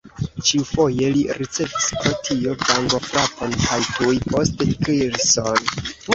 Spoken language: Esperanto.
Ĉiufoje li ricevis pro tio vangofrapon kaj tuj poste kison.